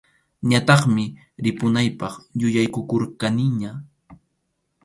Ñataqmi ripunaypaq yuyaykukurqaniña.